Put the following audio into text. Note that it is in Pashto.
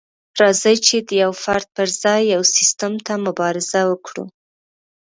راځئ چې د يوه فرد پر ځای يو سيستم ته مبارزه وکړو.